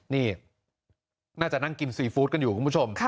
นี่น่าจะนั่งกินซีฟู้ดกันอยู่คุณผู้ชม